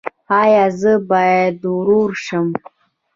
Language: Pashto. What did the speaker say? ایا زه باید ورور شم؟